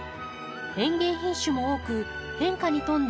園芸品種も多く変化に富んだ